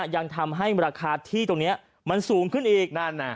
ยังทำให้ราคาที่ตรงนี้มันสูงขึ้นอีก